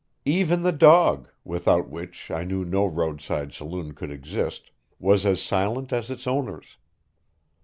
Even the dog, without which I knew no roadside saloon could exist, was as silent as its owners.